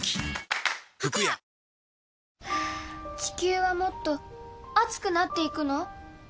地球はもっと熱くなっていくの？